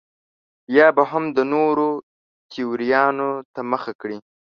یا به هم د نورو تیوریانو ته مخه کړي.